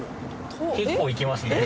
結構行きますね。